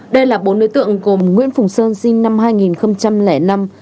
đây là bốn đối tượng gồm nguyễn phùng sơn sinh năm hai nghìn năm